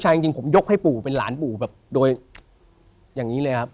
ใช่จริงผมยกให้ปู่เป็นหลานปู่แบบโดยอย่างนี้เลยครับ